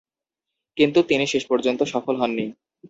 কিন্তু তিনি শেষ পর্যন্ত সফল হননি।